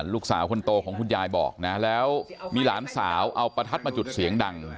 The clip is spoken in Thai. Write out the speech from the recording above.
ลูกสาวคนโตของคุณยายบอกนะแล้วมีหลานสาวเอาประทัดมาจุดเสียงดัง